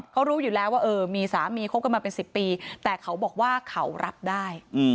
เขารู้อยู่แล้วว่าเออมีสามีคบกันมาเป็น๑๐ปีแต่เขาบอกว่าเขารับได้